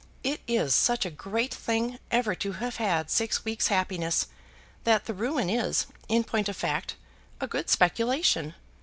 It is such a great thing ever to have had six weeks' happiness, that the ruin is, in point of fact, a good speculation.